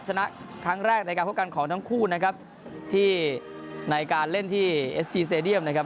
ชนะครั้งแรกในการพบกันของทั้งคู่นะครับที่ในการเล่นที่เอสซีสเตดียมนะครับ